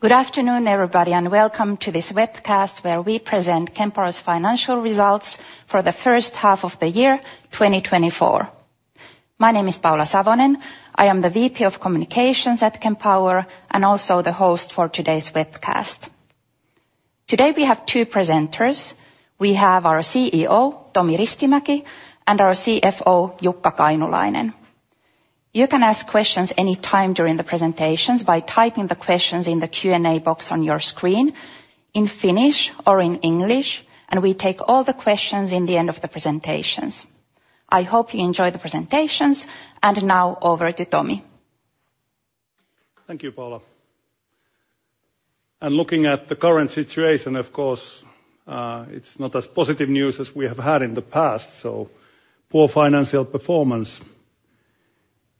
Good afternoon, everybody, and welcome to this webcast where we present Kempower's financial results for the first half of the year 2024. My name is Paula Savonen. I am the VP of Communications at Kempower and also the host for today's webcast. Today, we have two presenters. We have our CEO, Tomi Ristimäki, and our CFO, Jukka Kainulainen. You can ask questions any time during the presentations by typing the questions in the Q&A box on your screen in Finnish or in English, and we take all the questions in the end of the presentations. I hope you enjoy the presentations. Now over to Tomi. Thank you, Paula. Looking at the current situation, of course, it's not as positive news as we have had in the past, so poor financial performance.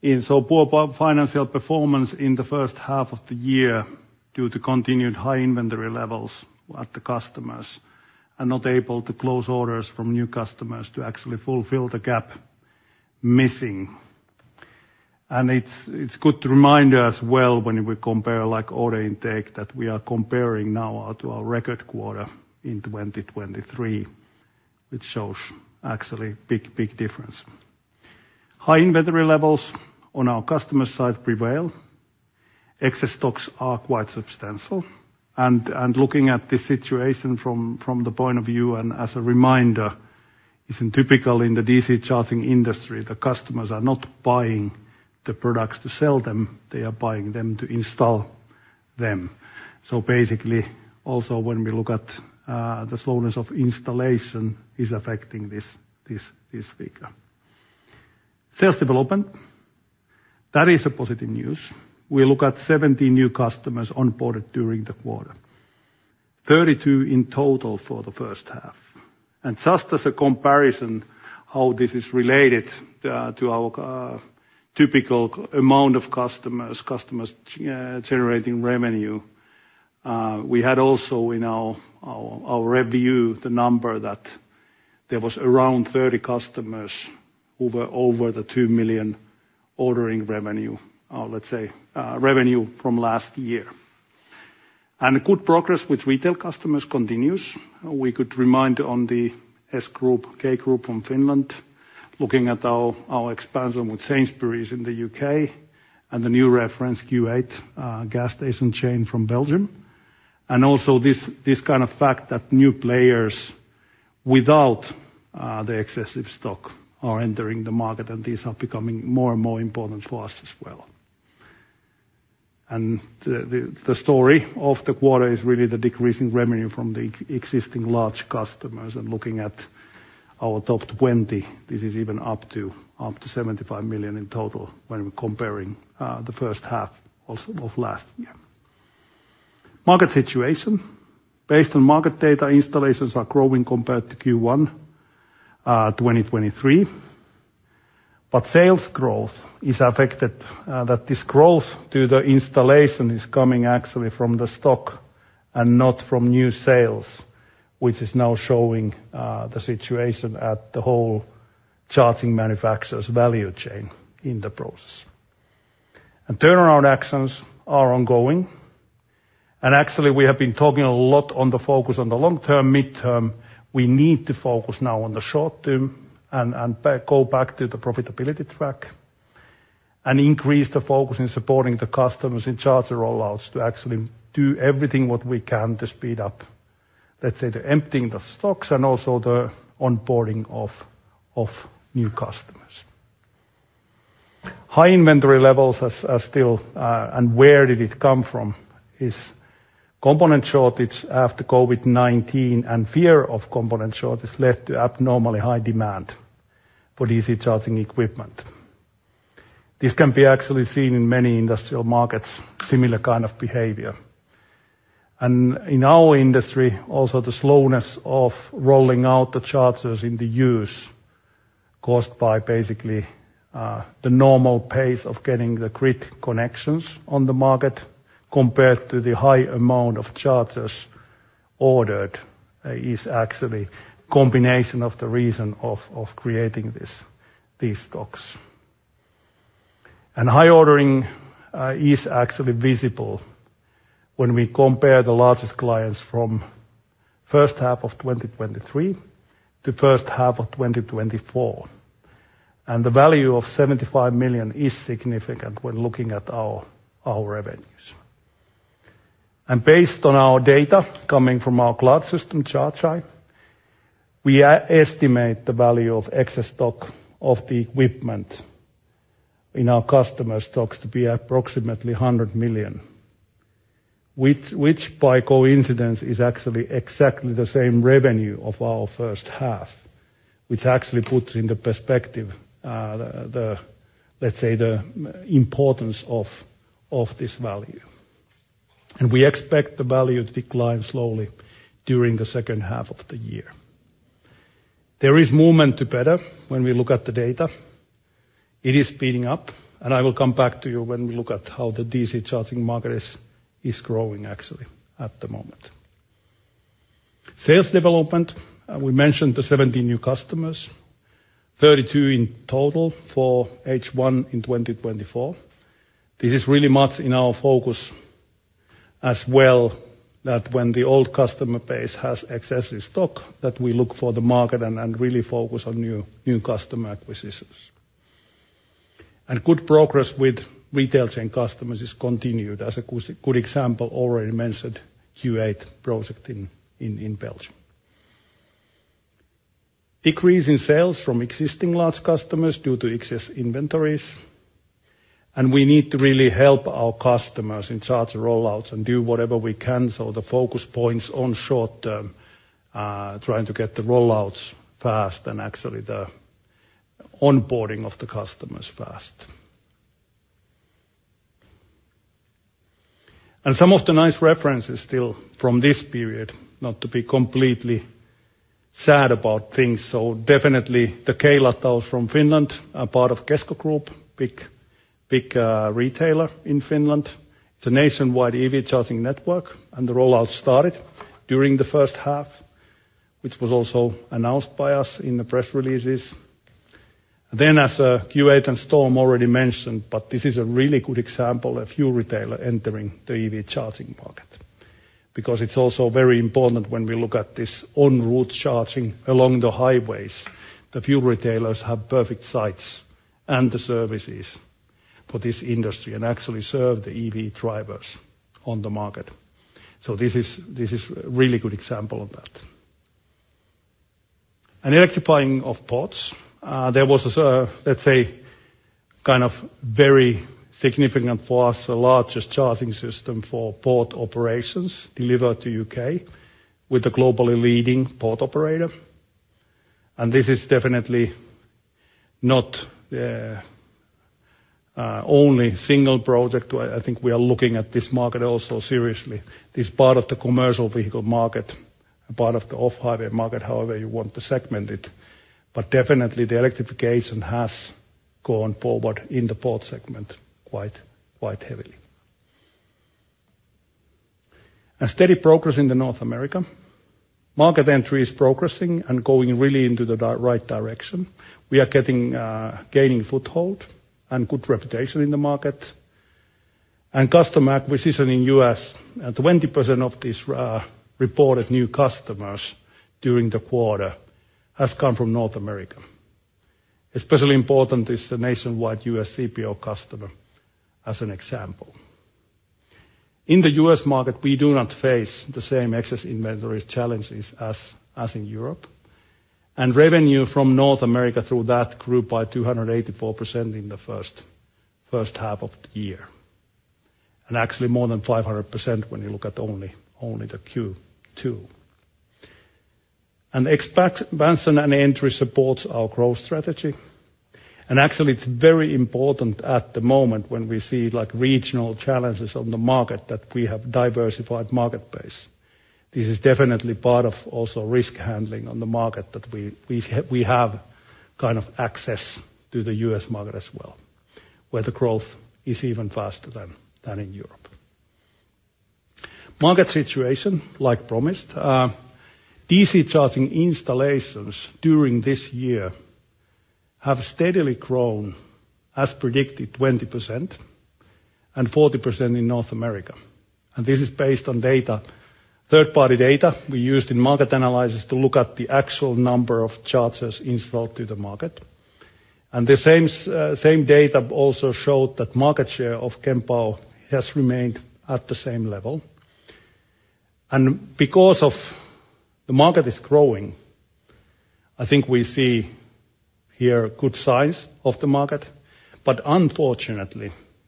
Poor financial performance in the first half of the year due to continued high inventory levels at the customers, and not able to close orders from new customers to actually fulfill the gap missing. It's good to remind as well when we compare like order intake that we are comparing now to our record quarter in 2023, which shows actually big difference. High inventory levels on our customer side prevail. Excess stocks are quite substantial. Looking at the situation from the point of view and as a reminder, it isn't typical in the DC charging industry, the customers are not buying the products to sell them, they are buying them to install them. Basically, also when we look at the slowness of installation is affecting this figure. Sales development, that is a positive news. We look at 70 new customers onboarded during the quarter, 32 in total for the first half. Just as a comparison, how this is related to our typical amount of customers generating revenue, we had also in our review the number that there was around 30 customers who were over 2 million ordering revenue, let's say, revenue from last year. Good progress with retail customers continues. We could remind on the S Group, K Group from Finland, looking at our expansion with Sainsbury's in the UK, and the new reference Q8 gas station chain from Belgium. Also this kind of fact that new players without the excessive stock are entering the market, and these are becoming more and more important for us as well. The story of the quarter is really the decreasing revenue from the existing large customers. Looking at our top 20, this is even up to 75 million in total when we're comparing the first half also of last year. Market situation. Based on market data, installations are growing compared to Q1 2023. Sales growth is affected that this growth to the installation is coming actually from the stock and not from new sales, which is now showing the situation at the whole charging manufacturer's value chain in the process. Turnaround actions are ongoing. Actually, we have been talking a lot on the focus on the long term, midterm. We need to focus now on the short term and go back to the profitability track and increase the focus in supporting the customers in charger rollouts to actually do everything what we can to speed up, let's say, the emptying the stocks and also the onboarding of new customers. High inventory levels are still, and where did it come from is component shortage after COVID-19 and fear of component shortage led to abnormally high demand for DC charging equipment. This can be actually seen in many industrial markets, similar kind of behavior. In our industry, also the slowness of rolling out the chargers into use caused by basically, the normal pace of getting the grid connections on the market compared to the high amount of chargers ordered is actually combination of the reason of creating these stocks. High ordering is actually visible when we compare the largest clients from first half of 2023 to first half of 2024. The value of 75 million is significant when looking at our revenues. Based on our data coming from our cloud system, ChargeEye, we estimate the value of excess stock of the equipment in our customer stocks to be approximately 100 million, which by coincidence is actually exactly the same revenue of our first half, which actually puts into perspective, let's say, the importance of this value. We expect the value to decline slowly during the second half of the year. There is movement to better when we look at the data. It is speeding up, and I will come back to you when we look at how the DC charging market is growing actually at the moment. Sales development, we mentioned the 70 new customers, 32 in total for H1 in 2024. This is really much in our focus as well, that when the old customer base has excessive stock, that we look for the market and really focus on new customer acquisitions. Good progress with retail chain customers is continued. As a good example, already mentioned Q8 project in Belgium. Decrease in sales from existing large customers due to excess inventories, and we need to really help our customers in charger roll-outs and do whatever we can so the focus points on short-term, trying to get the roll-outs fast and actually the onboarding of the customers fast. Some of the nice references still from this period, not to be completely sad about things, so definitely the K-Lataus from Finland are part of Kesko Group, big retailer in Finland. It's a nationwide EV charging network, and the rollout started during the first half, which was also announced by us in the press releases. As Q8 and Storm already mentioned, but this is a really good example of fuel retailer entering the EV charging market, because it's also very important when we look at this en route charging along the highways. The fuel retailers have perfect sites and the services for this industry and actually serve the EV drivers on the market. This is a really good example of that. Electrification of ports. There was a, let's say, kind of very significant for us, the largest charging system for port operations delivered to U.K. with a globally leading port operator. This is definitely not the only single project. I think we are looking at this market also seriously. This part of the commercial vehicle market, a part of the off-highway market, however you want to segment it, but definitely the electrification has gone forward in the port segment quite heavily. A steady progress in North America. Market entry is progressing and going really into the right direction. We are gaining foothold and good reputation in the market. Customer acquisition in U.S., 20% of these reported new customers during the quarter has come from North America. Especially important is the nationwide U.S. CPO customer, as an example. In the U.S. market, we do not face the same excess inventory challenges as in Europe. Revenue from North America grew by 284% in the first half of the year, and actually more than 500% when you look at only the Q2. Expansion and entry supports our growth strategy. Actually it's very important at the moment when we see, like, regional challenges on the market that we have diversified market base. This is definitely part of also risk handling on the market that we have kind of access to the U.S. market as well, where the growth is even faster than in Europe. Market situation, as promised. DC charging installations during this year have steadily grown, as predicted, 20% and 40% in North America. This is based on data, third-party data we used in market analysis to look at the actual number of chargers installed in the market. The same data also showed that market share of Kempower has remained at the same level. Because the market is growing, I think we see here good signs of the market.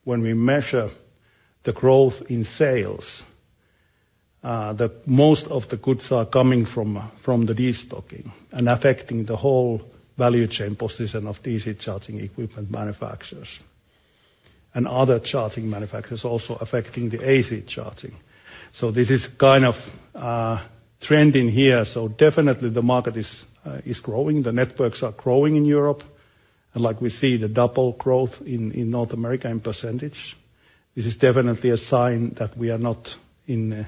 When we measure the growth in sales, the most of the goods are coming from the destocking and affecting the whole value chain position of DC charging equipment manufacturers and other charging manufacturers also affecting the AC charging. This is kind of trending here. Definitely the market is growing. The networks are growing in Europe. Like we see the double growth in North America in percentage. This is definitely a sign that we are not in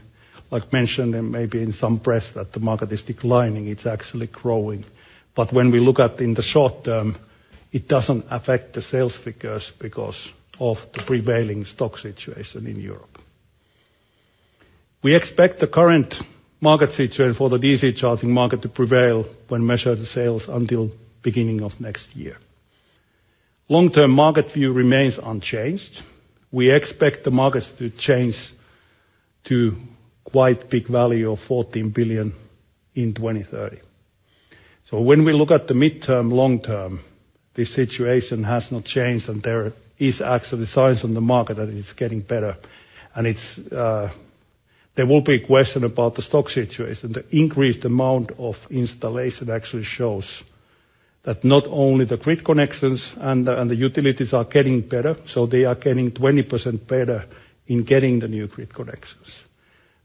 like mentioned and maybe in some press that the market is declining, it's actually growing. When we look at in the short term, it doesn't affect the sales figures because of the prevailing stock situation in Europe. We expect the current market situation for the DC charging market to prevail when measure the sales until beginning of next year. Long-term market view remains unchanged. We expect the markets to change to quite big value of 14 billion in 2030. When we look at the midterm, long term, this situation has not changed, and there is actually signs on the market that it is getting better. There will be a question about the stock situation. The increased amount of installation actually shows that not only the grid connections and the utilities are getting better, so they are getting 20% better in getting the new grid connections.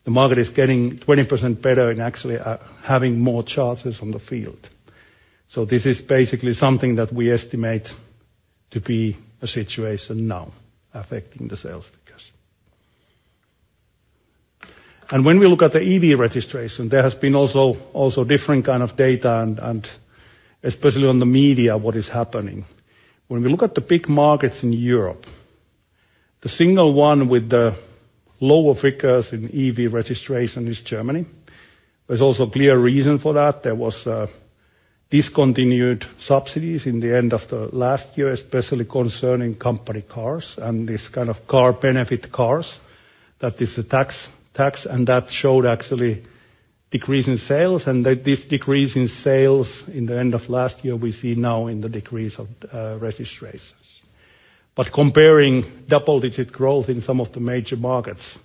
The market is getting 20% better in actually having more chargers on the field. This is basically something that we estimate to be a situation now affecting the sales figures. When we look at the EV registration, there has been also different kind of data and especially on the media, what is happening. When we look at the big markets in Europe, the single one with the lower figures in EV registration is Germany. There's also clear reason for that. There was discontinued subsidies in the end of the last year, especially concerning company cars and this kind of car benefit cars, that is a tax and that showed actually decrease in sales and this decrease in sales in the end of last year, we see now in the decrease of registrations. Comparing double-digit growth in some of the major markets,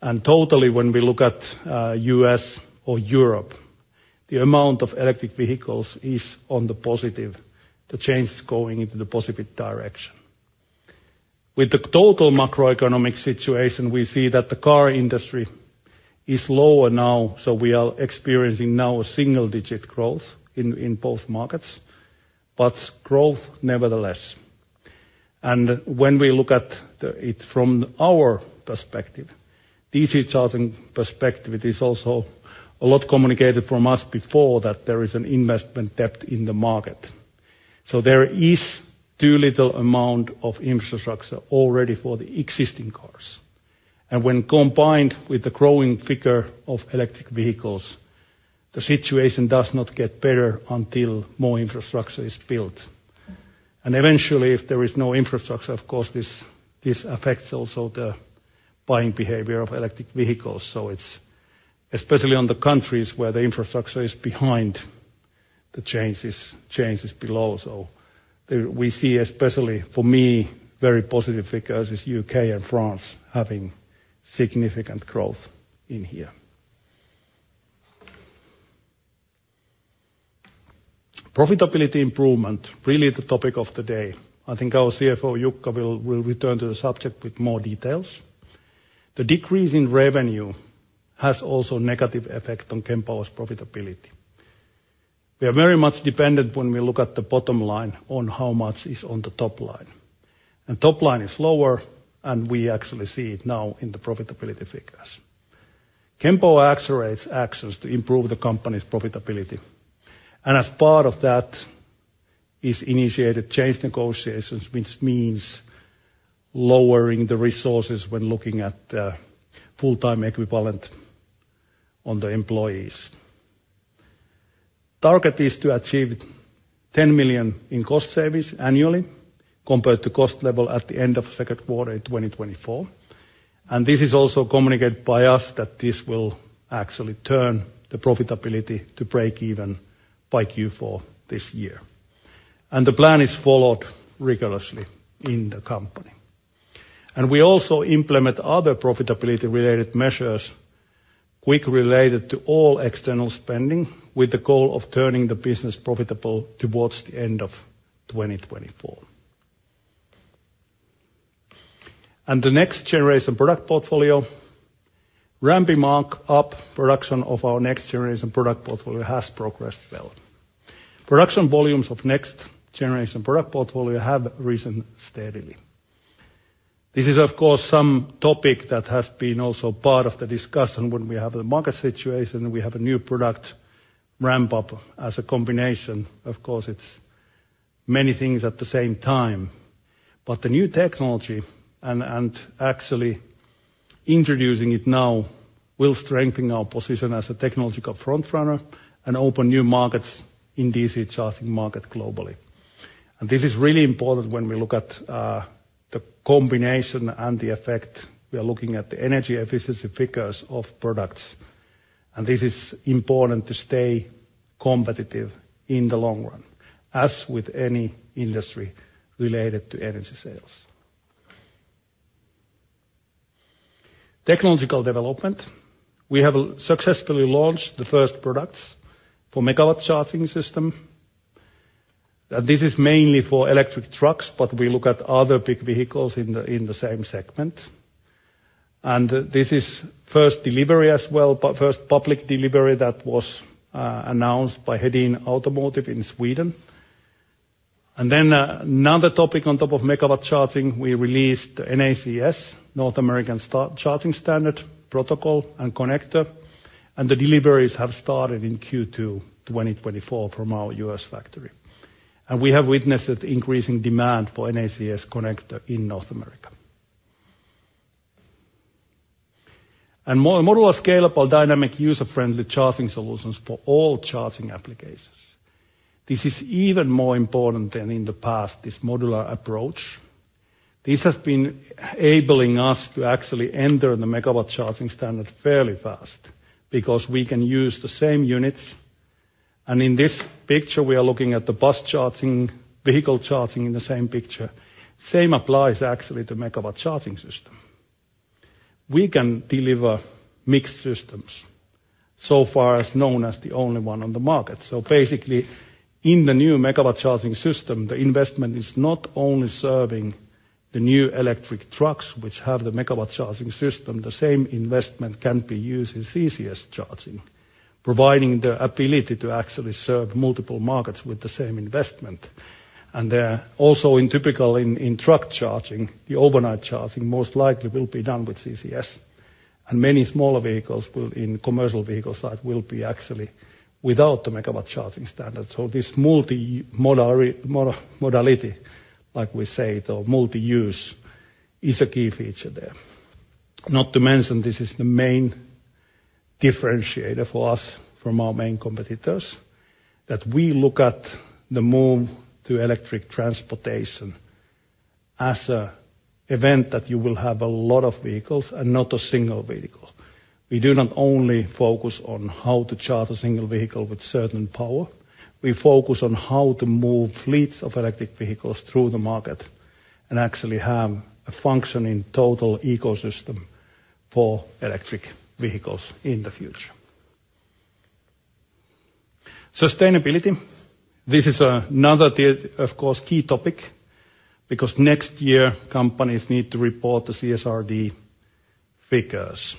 and totally when we look at U.S. or Europe, the amount of electric vehicles is on the positive, the change is going into the positive direction. With the total macroeconomic situation, we see that the car industry is lower now, so we are experiencing now a single-digit growth in both markets, but growth nevertheless. When we look at it from our perspective, DC charging perspective, it is also a lot communicated from us before that there is an investment depth in the market. There is too little amount of infrastructure already for the existing cars. When combined with the growing figure of electric vehicles, the situation does not get better until more infrastructure is built. Eventually, if there is no infrastructure, of course, this affects also the buying behavior of electric vehicles. It's especially on the countries where the infrastructure is behind, the change is below, we see, especially for me, very positive figures is UK and France having significant growth in here. Profitability improvement, really the topic of the day. I think our CFO, Jukka, will return to the subject with more details. The decrease in revenue has also negative effect on Kempower's profitability. We are very much dependent when we look at the bottom line on how much is on the top line. Top line is lower, and we actually see it now in the profitability figures. Kempower accelerates actions to improve the company's profitability. As part of that is initiated change negotiations, which means lowering the resources when looking at full-time equivalent on the employees. Target is to achieve 10 million in cost savings annually compared to cost level at the end of second quarter in 2024. This is also communicated by us that this will actually turn the profitability to breakeven by Q4 this year. The plan is followed rigorously in the company. We also implement other profitability-related measures, cuts related to all external spending, with the goal of turning the business profitable toward the end of 2024. The next-generation product portfolio ramp-up production of our next-generation product portfolio has progressed well. Production volumes of next-generation product portfolio have risen steadily. This is of course some topic that has been also part of the discussion when we have the market situation. We have a new product ramp-up as a combination. Of course, it's many things at the same time. The new technology and actually introducing it now will strengthen our position as a technological front-runner and open new markets in DC charging market globally. This is really important when we look at the combination and the effect. We are looking at the energy efficiency figures of products, and this is important to stay competitive in the long run, as with any industry related to energy sales. Technological development. We have successfully launched the first products for Megawatt Charging System. This is mainly for electric trucks, but we look at other big vehicles in the same segment. This is first delivery as well, but first public delivery that was announced by Hedin Automotive in Sweden. Another topic on top of megawatt charging, we released NACS, North American Charging Standard protocol and connector, and the deliveries have started in Q2 2024 from our U.S. factory. We have witnessed increasing demand for NACS connector in North America. Modular, scalable, dynamic, user-friendly charging solutions for all charging applications. This is even more important than in the past, this modular approach. This has been enabling us to actually enter the Megawatt Charging System fairly fast because we can use the same units. In this picture, we are looking at the bus charging, vehicle charging in the same picture. Same applies actually to Megawatt Charging System. We can deliver mixed systems so far as known as the only one on the market. Basically, in the new Megawatt Charging System, the investment is not only serving the new electric trucks which have the Megawatt Charging System, the same investment can be used as AC charging, providing the ability to actually serve multiple markets with the same investment. There are also in typical truck charging, the overnight charging most likely will be done with CCS. Many smaller vehicles in commercial vehicle side will be actually without the Megawatt Charging System. This multi-modality, like we say, the multi-use is a key feature there. Not to mention this is the main differentiator for us from our main competitors, that we look at the move to electric transportation as an event that you will have a lot of vehicles and not a single vehicle. We do not only focus on how to charge a single vehicle with certain power. We focus on how to move fleets of electric vehicles through the market and actually have a functioning total ecosystem for electric vehicles in the future. Sustainability, this is another area, of course, key topic because next year companies need to report the CSRD figures.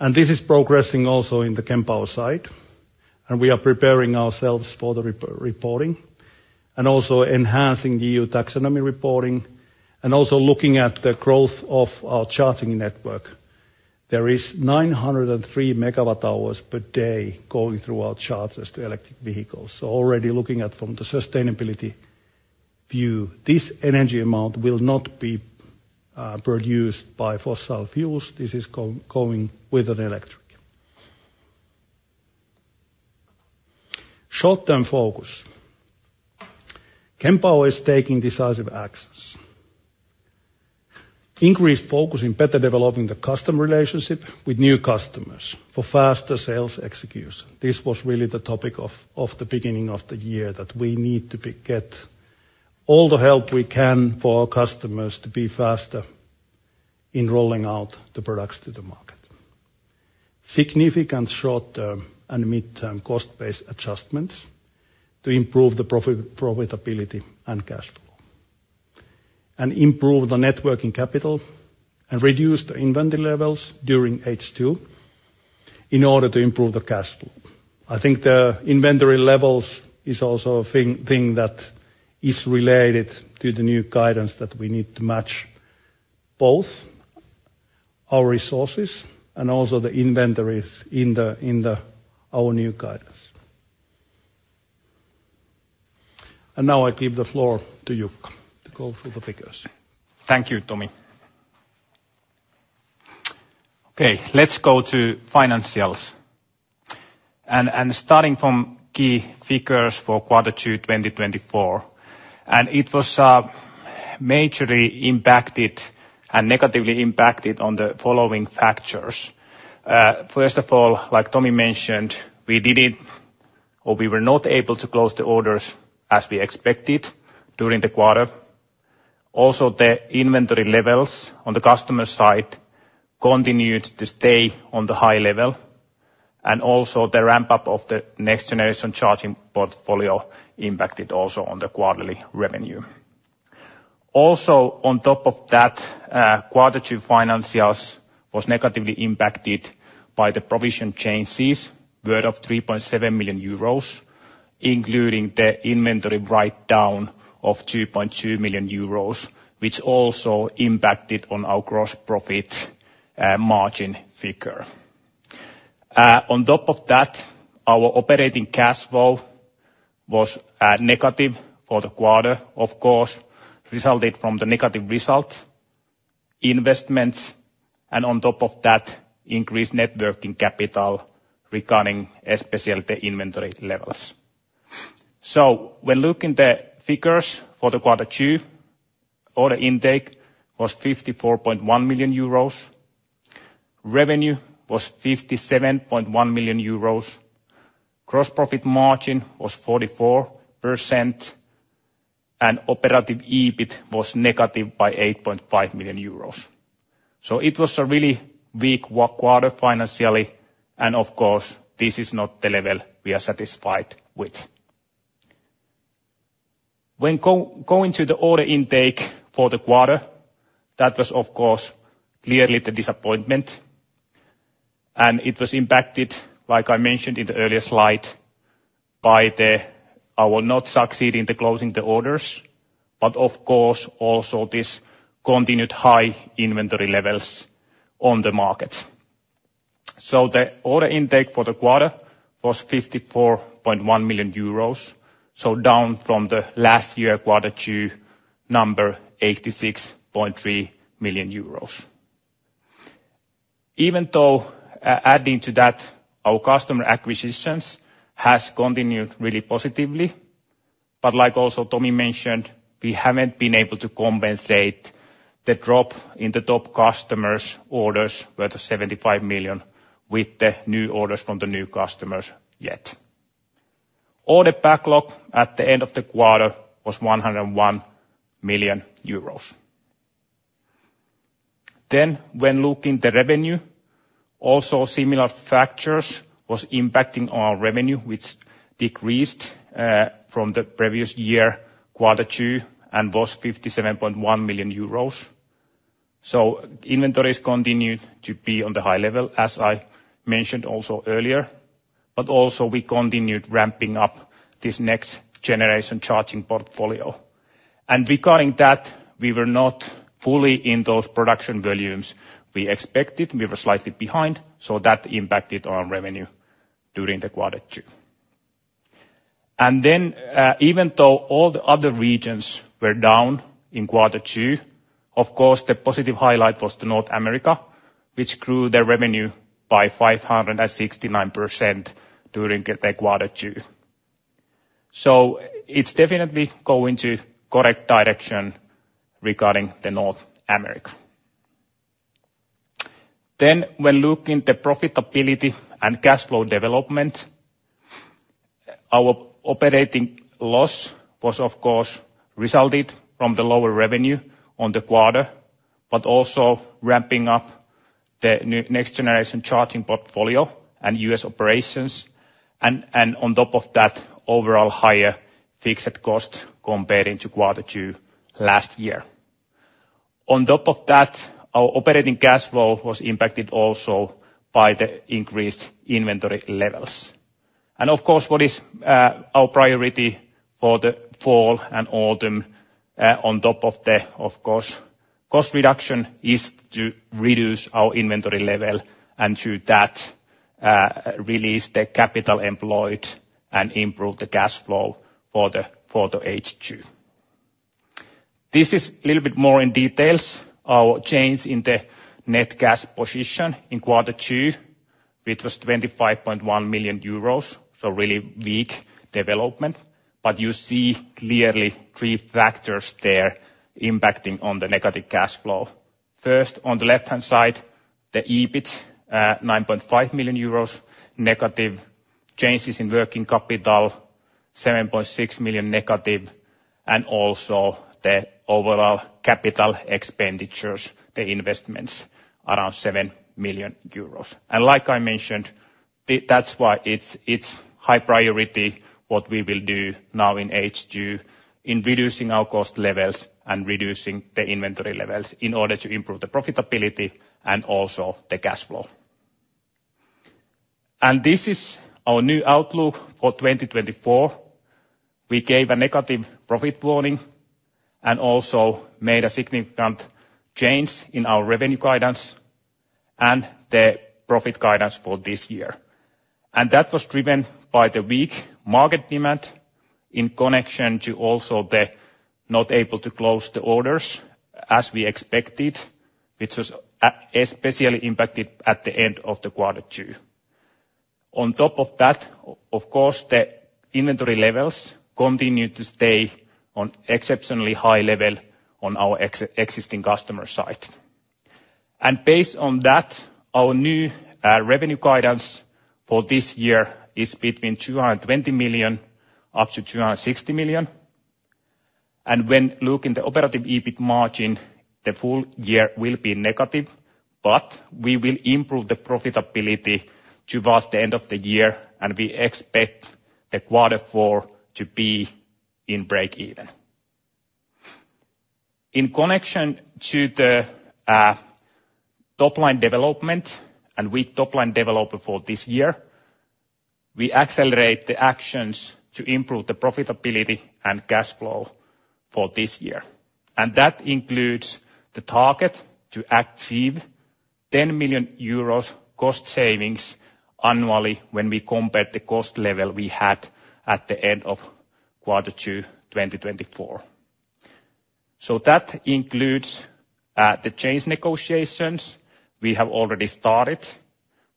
This is progressing also in the Kempower side, and we are preparing ourselves for the reporting and also enhancing EU Taxonomy reporting and also looking at the growth of our charging network. There is 903 MWh per day going through our chargers to electric vehicles. Already looking at from the sustainability view, this energy amount will not be produced by fossil fuels. This is going with an electric. Short-term focus. Kempower is taking decisive actions. Increased focus in better developing the customer relationship with new customers for faster sales execution. This was really the topic of the beginning of the year that we need to get all the help we can for our customers to be faster in rolling out the products to the market. Significant short-term and mid-term cost-based adjustments to improve the profitability and cash flow. Improve the net working capital and reduce the inventory levels during H2 in order to improve the cash flow. I think the inventory levels is also a thing that is related to the new guidance that we need to match both our resources and also the inventories in our new guidance. Now I give the floor to Jukka to go through the figures. Thank you, Tomi. Okay, let's go to financials. Starting from key figures for quarter two 2024. It was majorly impacted and negatively impacted on the following factors. First of all, like Tomi mentioned, we didn't or we were not able to close the orders as we expected during the quarter. Also, the inventory levels on the customer side continued to stay on the high level, and also the ramp-up of the next generation charging portfolio impacted also on the quarterly revenue. Also, on top of that, quarter two financials was negatively impacted by the provision changes worth 3.7 million euros, including the inventory write down of 2.2 million euros, which also impacted on our gross profit margin figure. On top of that, our operating cash flow was negative for the quarter, of course, resulted from the negative result, investments, and on top of that, increased net working capital regarding especially the inventory levels. When looking at the figures for quarter two, order intake was 54.1 million euros. Revenue was 57.1 million euros. Gross profit margin was 44%. Operative EBIT was negative 8.5 million euros. It was a really weak quarter financially, and of course, this is not the level we are satisfied with. When going to the order intake for the quarter, that was of course clearly the disappointment and it was impacted, like I mentioned in the earlier slide, by our not succeeding in closing the orders, but of course also this continued high inventory levels on the market. The order intake for the quarter was 54.1 million euros, down from the last year quarter two number 86.3 million euros. Even though adding to that, our customer acquisitions has continued really positively, but like also Tomi mentioned, we haven't been able to compensate the drop in the top customers' orders worth 75 million with the new orders from the new customers yet. Order backlog at the end of the quarter was 101 million euros. When looking the revenue, also similar factors was impacting our revenue, which decreased from the previous year quarter two, and was 57.1 million euros. Inventories continued to be on the high level, as I mentioned also earlier, but also we continued ramping up this next generation charging portfolio. Regarding that, we were not fully in those production volumes we expected, we were slightly behind, so that impacted our revenue during the quarter two. Even though all the other regions were down in quarter two, of course, the positive highlight was North America, which grew their revenue by 569% during the quarter two. It's definitely going in the correct direction regarding North America. When looking at the profitability and cash flow development, our operating loss was, of course, a result from the lower revenue in the quarter, but also ramping up the next generation charging portfolio and US operations. On top of that, overall higher fixed cost compared to quarter two last year. On top of that, our operating cash flow was impacted also by the increased inventory levels. Of course, what is our priority for the fall and autumn, on top of the, of course, cost reduction is to reduce our inventory level, and through that, release the capital employed and improve the cash flow for the H2. This is little bit more in details. Our change in the net cash position in quarter two, which was 25.1 million euros, so really weak development. You see clearly three factors there impacting on the negative cash flow. First, on the left-hand side, the EBIT, 9.5 million euros negative, changes in working capital, 7.6 million negative, and also the overall capital expenditures, the investments, around 7 million euros. Like I mentioned, that's why it's high priority what we will do now in H2 in reducing our cost levels and reducing the inventory levels in order to improve the profitability and also the cash flow. This is our new outlook for 2024. We gave a negative profit warning and also made a significant change in our revenue guidance and the profit guidance for this year. That was driven by the weak market demand in connection to also the not able to close the orders as we expected, which was especially impacted at the end of quarter two. On top of that, of course, the inventory levels continued to stay on exceptionally high level on our existing customer side. Based on that, our new revenue guidance for this year is between 220 million up to 260 million. When looking at the operating EBIT margin, the full year will be negative, but we will improve the profitability towards the end of the year, and we expect quarter four to be in break even. In connection to the top-line development and weak top-line development for this year, we accelerate the actions to improve the profitability and cash flow for this year. That includes the target to achieve 10 million euros cost savings annually when we compare the cost level we had at the end of quarter two 2024. That includes the change negotiations we have already started,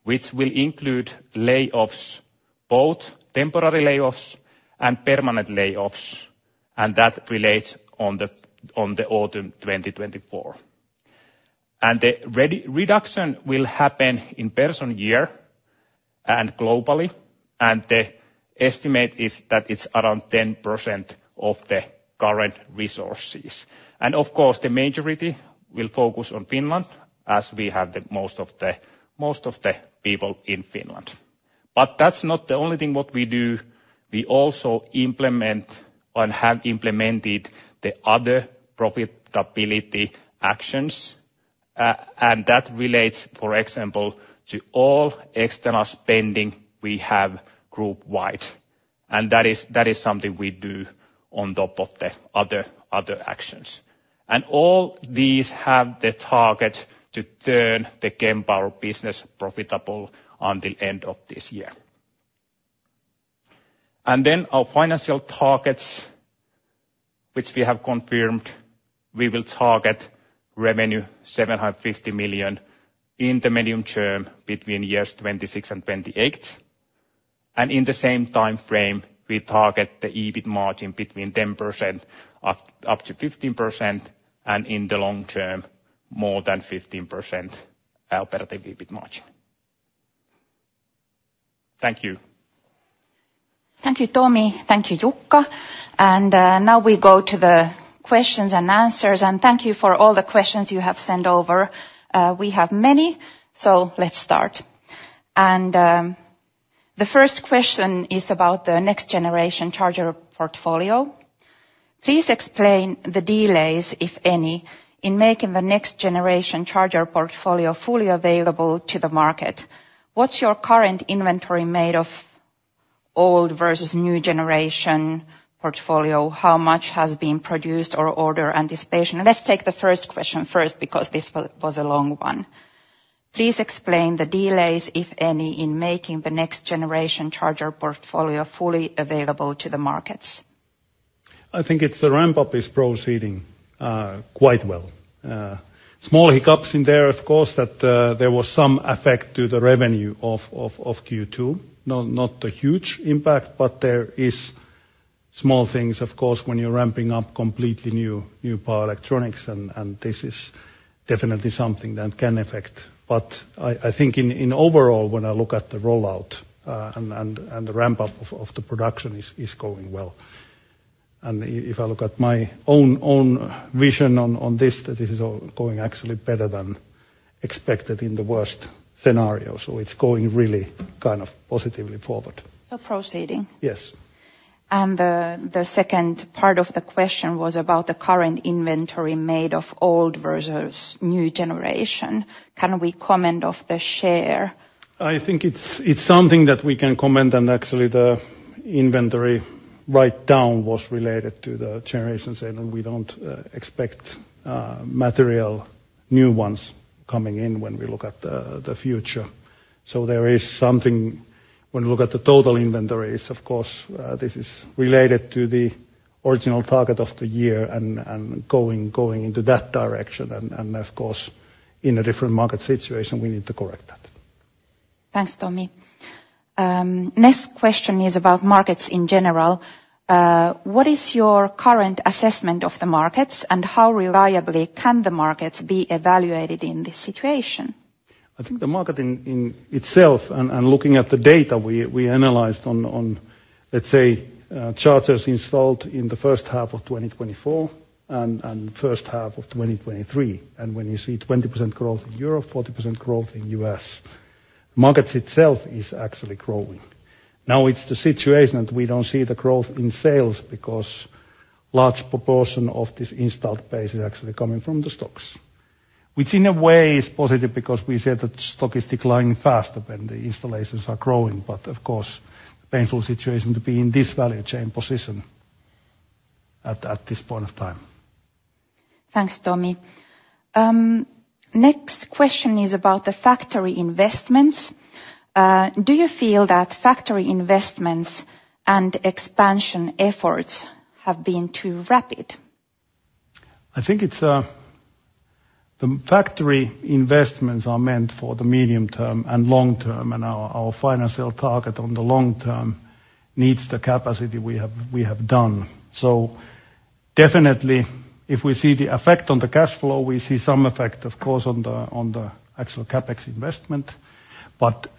which will include layoffs, both temporary layoffs and permanent layoffs, and that relates to the autumn 2024. The reduction will happen in personnel and globally, and the estimate is that it's around 10% of the current resources. Of course, the majority will focus on Finland, as we have the most of the people in Finland. That's not the only thing what we do, we also implement and have implemented the other profitability actions, and that relates, for example, to all external spending we have group-wide. That is something we do on top of the other actions. All these have the target to turn the Kempower business profitable at the end of this year. Then our financial targets which we have confirmed, we will target revenue 750 million in the medium term between 2026 and 2028. In the same time frame, we target the EBIT margin between 10%-15%, and in the long term, more than 15% operative EBIT margin. Thank you. Thank you, Tomi. Thank you, Jukka. Now we go to the questions and answers, and thank you for all the questions you have sent over. We have many, so let's start. The first question is about the next generation charger portfolio. Please explain the delays, if any, in making the next generation charger portfolio fully available to the market. What's your current inventory made of old versus new generation portfolio? How much has been produced or order anticipation? Let's take the first question first because this was a long one. Please explain the delays, if any, in making the next generation charger portfolio fully available to the markets. I think the ramp-up is proceeding quite well. Small hiccups in there, of course, that there was some effect to the revenue of Q2. Not a huge impact, but there is small things, of course, when you're ramping up completely new power electronics and this is definitely something that can affect. I think in overall when I look at the rollout and the ramp-up of the production is going well. If I look at my own vision on this, that this is all going actually better than expected in the worst scenario. It's going really kind of positively forward. Proceeding. Yes. The second part of the question was about the current inventory made of old versus new generation. Can we comment on the share? I think it's something that we can comment, and actually the inventory write-down was related to the generations, and we don't expect material new ones coming in when we look at the future. There is something when you look at the total inventories. Of course, this is related to the original target of the year and going into that direction, and of course, in a different market situation, we need to correct that. Thanks, Tomi. Next question is about markets in general. What is your current assessment of the markets, and how reliably can the markets be evaluated in this situation? I think the market in itself and looking at the data we analyzed on, let's say, chargers installed in the first half of 2024 and first half of 2023. When you see 20% growth in Europe, 40% growth in U.S., market itself is actually growing. Now it's the situation that we don't see the growth in sales because large proportion of this installed base is actually coming from the stock. Which in a way is positive because we said that stock is declining faster than the installations are growing, but of course, painful situation to be in this value chain position at this point of time. Thanks, Tomi. Next question is about the factory investments. Do you feel that factory investments and expansion efforts have been too rapid? I think it's the factory investments are meant for the medium term and long term, and our financial target on the long term needs the capacity we have done. Definitely if we see the effect on the cash flow, we see some effect of course on the actual CapEx investment.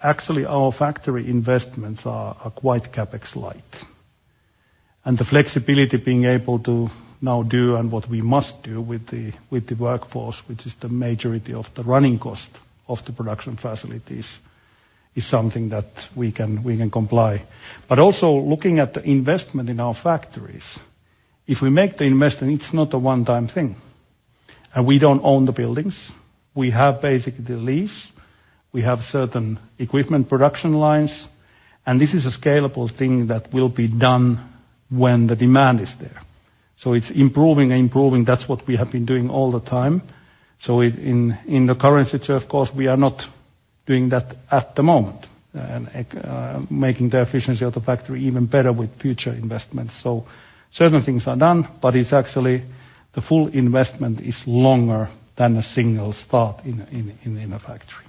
Actually our factory investments are quite CapEx light. The flexibility being able to now do and what we must do with the workforce, which is the majority of the running cost of the production facilities, is something that we can comply. Also looking at the investment in our factories, if we make the investment, it's not a one-time thing. We don't own the buildings. We have basically the lease. We have certain equipment production lines. This is a scalable thing that will be done when the demand is there. It's improving and improving. That's what we have been doing all the time. In the current situation, of course, we are not doing that at the moment, making the efficiency of the factory even better with future investments. Certain things are done, but it's actually the full investment is longer than a single start in a factory.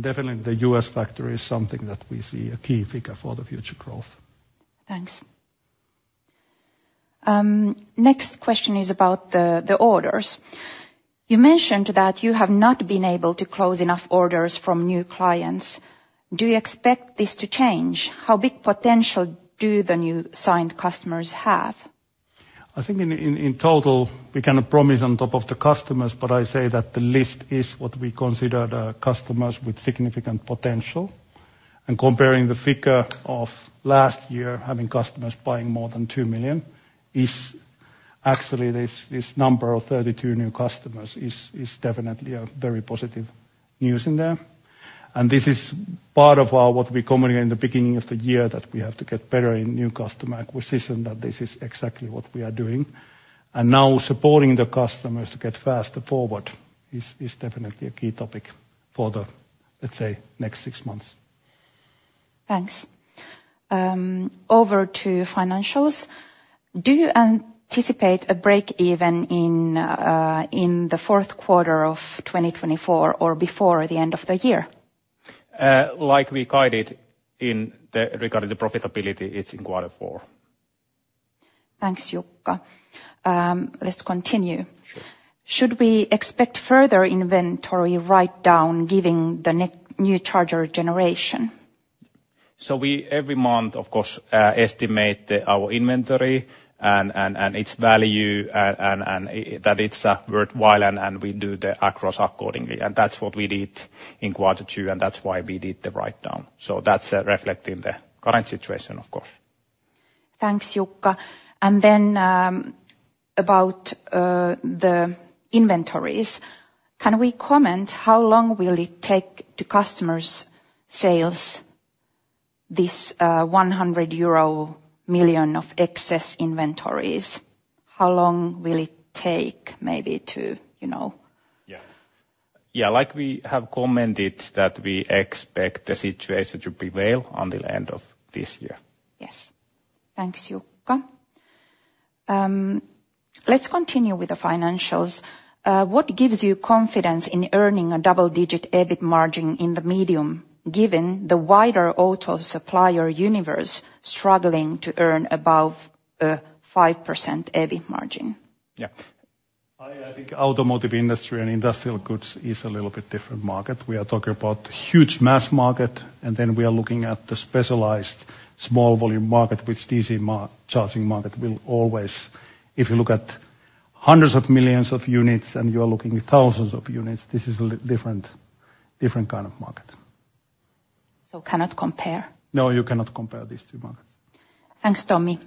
Definitely the U.S. factory is something that we see a key figure for the future growth. Thanks. Next question is about the orders. You mentioned that you have not been able to close enough orders from new clients. Do you expect this to change? How big potential do the new signed customers have? I think in total, we cannot promise on top of the customers, but I say that the list is what we consider the customers with significant potential. Comparing the figure of last year, having customers buying more than 2 million is actually this number of 32 new customers is definitely a very positive news in there. This is part of our what we communicate in the beginning of the year that we have to get better in new customer acquisition, that this is exactly what we are doing. Now supporting the customers to get faster forward is definitely a key topic for the, let's say, next six months. Thanks. Over to financials. Do you anticipate a break even in the fourth quarter of 2024 or before the end of the year? Like we guided regarding the profitability, it's in quarter four. Thanks, Jukka. Let's continue. Sure. Should we expect further inventory write-down given the new charger generation? We, every month, of course, estimate our inventory and its value, and that it's worthwhile and we do the accruals accordingly. That's what we did in quarter two, and that's why we did the write-down. That's reflecting the current situation, of course. Thanks, Jukka. About the inventories. Can we comment how long will it take to customers' sales, this 100 million euro of excess inventories? How long will it take maybe to, you know... Yeah. Yeah, like we have commented, that we expect the situation to prevail on the end of this year. Yes. Thanks, Jukka. Let's continue with the financials. What gives you confidence in earning a double-digit EBIT margin in the medium, given the wider auto supplier universe struggling to earn above 5% EBIT margin? Yeah. I think automotive industry and industrial goods is a little bit different market. We are talking about huge mass market, and then we are looking at the specialized small volume market, which DC charging market will always. If you look at hundreds of millions of units and you are looking at thousands of units, this is a little different kind of market. Cannot compare? No, you cannot compare these two markets. Thanks, Tomi.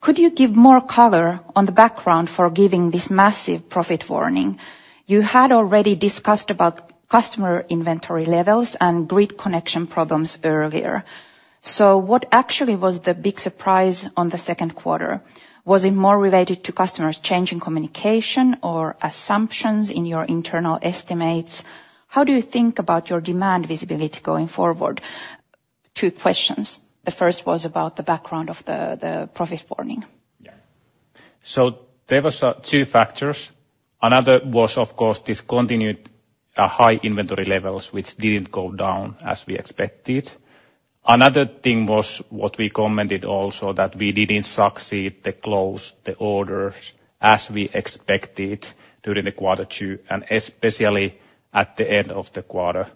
Could you give more color on the background for giving this massive profit warning? You had already discussed about customer inventory levels and grid connection problems earlier. What actually was the big surprise on the second quarter? Was it more related to customers changing communication or assumptions in your internal estimates? How do you think about your demand visibility going forward? Two questions. The first was about the background of the profit warning. Yeah. There was two factors. Another was, of course, this continued high inventory levels, which didn't go down as we expected. Another thing was what we commented also, that we didn't succeed to close the orders as we expected during the quarter two, and especially at the end of the quarter.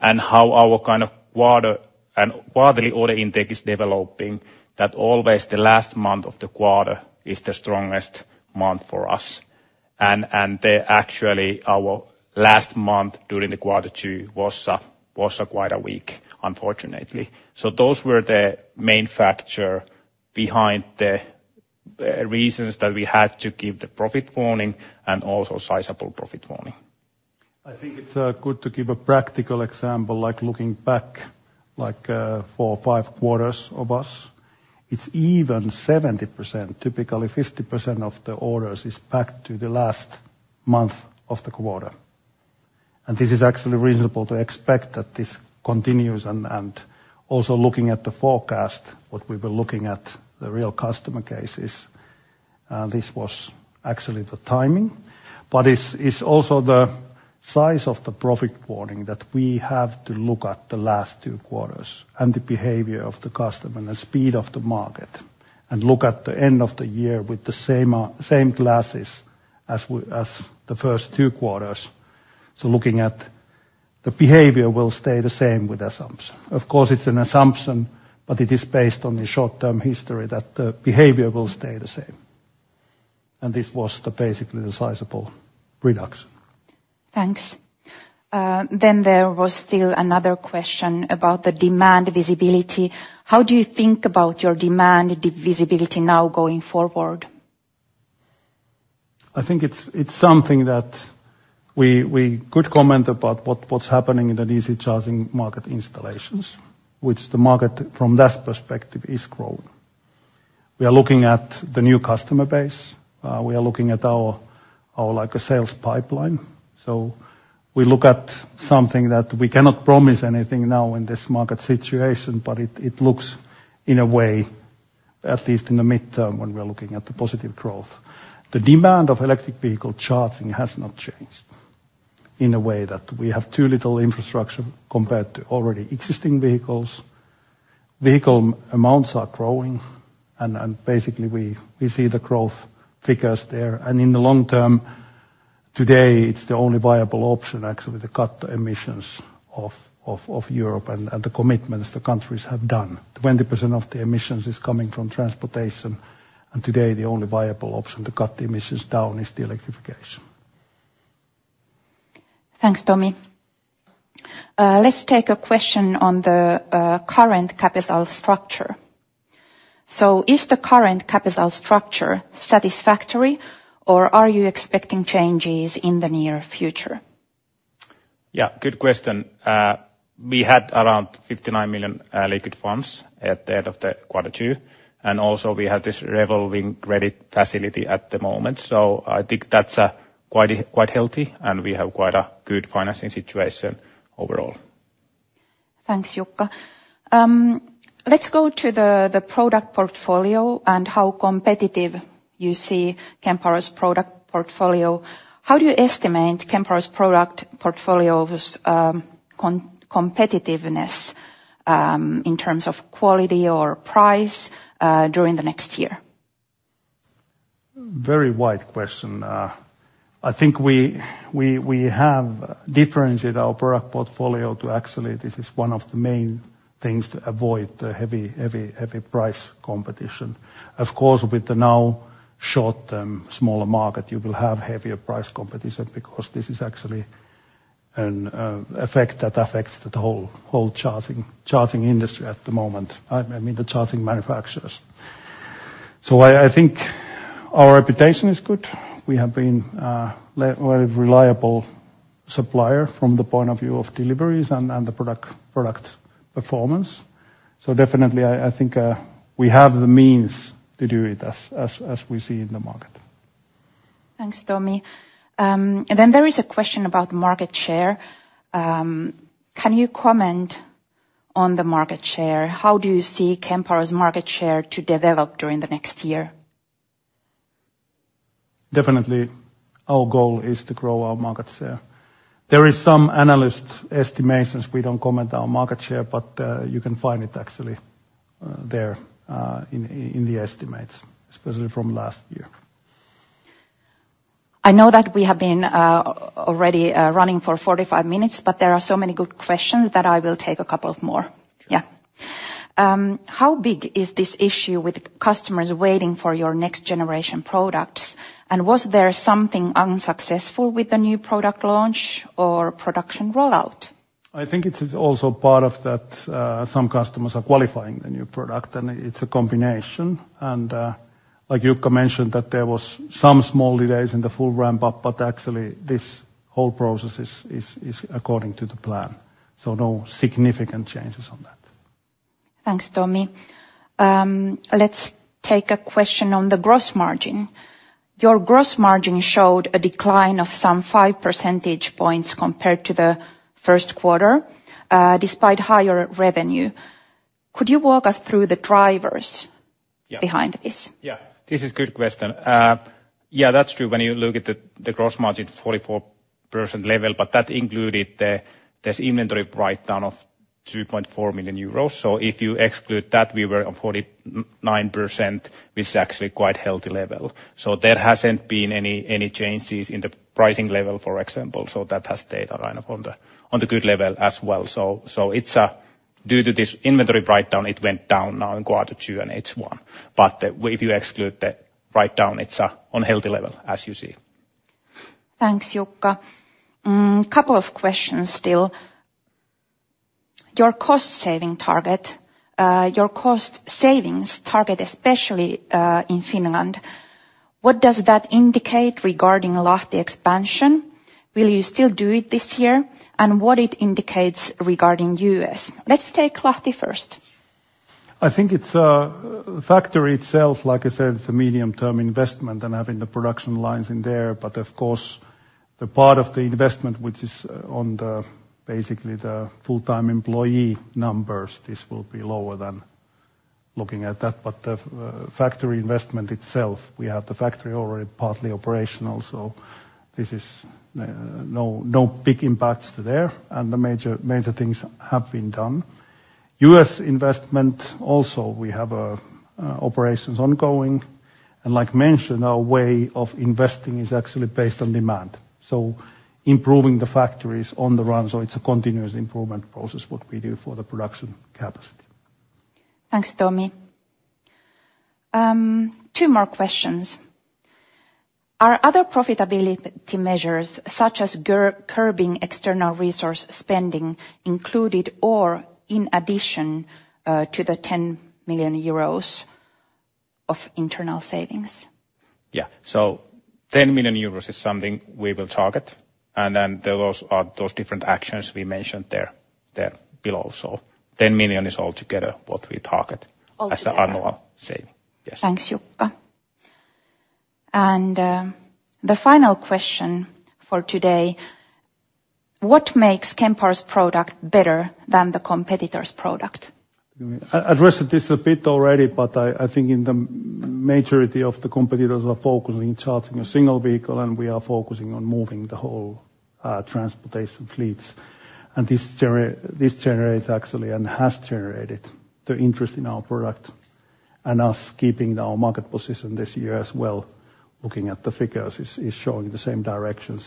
How our kind of quarter and quarterly order intake is developing, that always the last month of the quarter is the strongest month for us. Actually, our last month during the quarter two was quite weak, unfortunately. Those were the main factor behind the reasons that we had to give the profit warning, and also sizable profit warning. I think it's good to give a practical example, like looking back, like, four, five quarters of us. It's even 70%, typically 50% of the orders is back to the last month of the quarter. This is actually reasonable to expect that this continues and also looking at the forecast, what we were looking at, the real customer cases, this was actually the timing. It's also the size of the profit warning that we have to look at the last two quarters and the behavior of the customer, and the speed of the market. Look at the end of the year with the same glasses as the first two quarters. Looking at the behavior will stay the same with assumptions. Of course, it's an assumption, but it is based on the short-term history that the behavior will stay the same. This was basically the sizable reduction. Thanks. There was still another question about the demand visibility. How do you think about your demand visibility now going forward? I think it's something that we could comment about what's happening in the DC charging market installations, which the market, from that perspective, is growing. We are looking at the new customer base. We are looking at our like sales pipeline. We look at something that we cannot promise anything now in this market situation, but it looks in a way, at least in the midterm when we are looking at the positive growth. The demand of electric vehicle charging has not changed in a way that we have too little infrastructure compared to already existing vehicles. Vehicle amounts are growing, and basically we see the growth figures there. In the long term, today, it's the only viable option actually to cut the emissions of Europe and the commitments the countries have done. 20% of the emissions is coming from transportation, and today the only viable option to cut the emissions down is the electrification. Thanks, Tomi. Let's take a question on the current capital structure. Is the current capital structure satisfactory, or are you expecting changes in the near future? Yeah, good question. We had around 59 million liquid funds at the end of quarter two, and also we have this revolving credit facility at the moment. I think that's quite healthy, and we have quite a good financing situation overall. Thanks, Jukka. Let's go to the product portfolio. You see Kempower's product portfolio. How do you estimate Kempower's product portfolio's competitiveness in terms of quality or price during the next year? Very wide question. I think we have differentiated our product portfolio to actually this is one of the main things to avoid the heavy price competition. Of course, with the now shorter, smaller market, you will have heavier price competition because this is actually an effect that affects the whole charging industry at the moment. I mean the charging manufacturers. I think we have the means to do it as we see in the market. Thanks, Tomi. There is a question about market share. Can you comment on the market share? How do you see Kempower's market share to develop during the next year? Definitely our goal is to grow our market share. There is some analyst estimates. We don't comment our market share, but you can find it actually there in the estimates, especially from last year. I know that we have been already running for 45 minutes, but there are so many good questions that I will take a couple of more. Sure. Yeah. How big is this issue with customers waiting for your next generation products? Was there something unsuccessful with the new product launch or production rollout? I think it is also part of that, some customers are qualifying the new product, and it's a combination. Like Jukka mentioned that there was some small delays in the full ramp up, but actually this whole process is according to the plan. No significant changes on that. Thanks, Tomi. Let's take a question on the gross margin. Your gross margin showed a decline of some five percentage points compared to the first quarter, despite higher revenue. Could you walk us through the drivers? Yeah. Behind this? Yeah, this is good question. Yeah, that's true when you look at the gross margin 44% level, but that included this inventory write down of 2.4 million euros. If you exclude that, we were on 49%. This is actually quite healthy level. There hasn't been any changes in the pricing level, for example. That has stayed kind of on the good level as well. It's due to this inventory write down, it went down now in quarter two H1. If you exclude the write down, it's on healthy level, as you see. Thanks, Jukka. Couple of questions still. Your cost savings target, especially in Finland, what does that indicate regarding Lahti expansion? Will you still do it this year? What it indicates regarding U.S.? Let's take Lahti first. I think it's the factory itself, like I said. It's a medium-term investment and having the production lines in there, but of course, the part of the investment which is on the basically the full-time employee numbers. This will be lower than looking at that. Factory investment itself, we have the factory already partly operational, so this is no big impacts there. The major things have been done. US investment also we have operations ongoing. Like mentioned, our way of investing is actually based on demand. Improving the factories on the run, so it's a continuous improvement process, what we do for the production capacity. Thanks, Tomi. Two more questions. Are other profitability measures, such as curbing external resource spending included or in addition to the 10 million euros of internal savings? Yeah. 10 million euros is something we will target. Then those different actions we mentioned there below. 10 million is all together what we target. All together. as the annual savings. Yes. Thanks, Jukka. The final question for today: what makes Kempower's product better than the competitor's product? I addressed this a bit already, but I think in the majority of the competitors are focusing on charging a single vehicle, and we are focusing on moving the whole transportation fleets. This generates actually and has generated the interest in our product and us keeping our market position this year as well, looking at the figures is showing the same direction.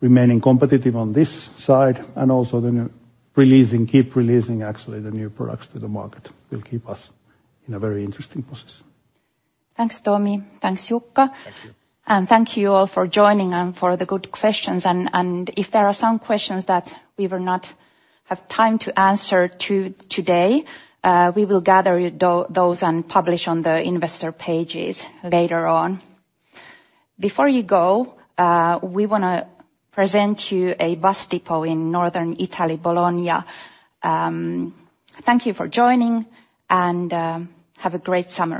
Remaining competitive on this side and also keep releasing actually the new products to the market will keep us in a very interesting position. Thanks, Tomi. Thanks, Jukka. Thank you. Thank you all for joining and for the good questions, and if there are some questions that we will not have time to answer today, we will gather those and publish on the investor pages later on. Before you go, we wanna present you a bus depot in Northern Italy, Bologna. Thank you for joining and have a great summer.